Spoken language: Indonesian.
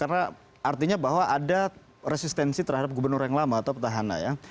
karena artinya bahwa ada resistensi terhadap gubernur yang lama atau petahana ya